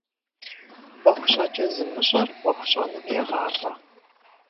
Iуэху щIэкIэ зымыщIэр Iуэху щIэным егъалIэ.